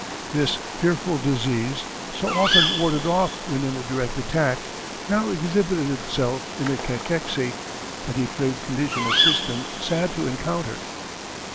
This fearful disease, so often warded off when in a direct attack, now exhibited itself in a cachexy, a depraved condition of system sad to encounter.